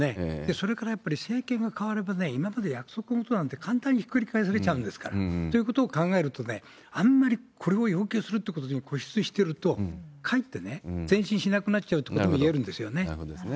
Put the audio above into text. それからやっぱり、政権が変われば、今まで約束事なんて簡単にひっくり返されちゃうんですから。ということを考えると、あんまりこれを要求するってことに固執してると、かえって前進しなくなっちゃうということがいえるんですなるほどですね。